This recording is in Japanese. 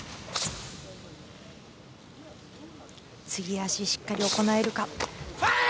足しっかり行えるか。